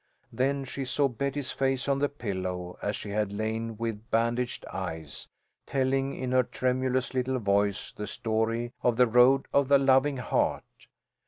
Then she saw Betty's face on the pillow, as she had lain with bandaged eyes, telling in her tremulous little voice the story of the Road of the Loving Heart.